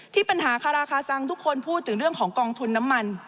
ปัญหาคาราคาซังทุกคนพูดถึงเรื่องของกองทุนน้ำมัน